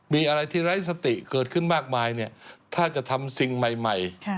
มีอะไรที่ไร้สติเกิดขึ้นมากมายเนี่ยถ้าจะทำสิ่งใหม่